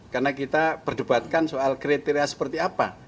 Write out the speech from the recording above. karena kita berdebatkan soal kriteria seperti apa